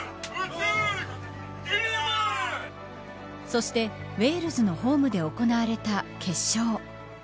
そして、ウェールズのホームで行われた決勝。